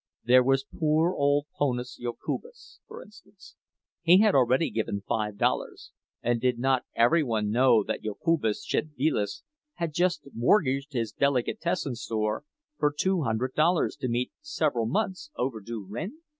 There was poor old ponas Jokubas, for instance—he had already given five dollars, and did not every one know that Jokubas Szedvilas had just mortgaged his delicatessen store for two hundred dollars to meet several months' overdue rent?